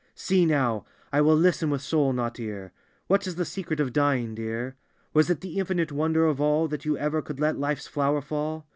" See now; I will listen with soul, not ear; What is the secret of dying, dear? " Was it the infinite wonder of all That you ever could let life's flower fall?